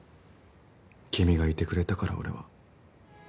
君がいてくれたから俺は。